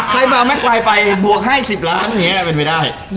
ใครมาแมคไวไปบวกให้๑๐ล้านเนี้ยเป็นไว้ได้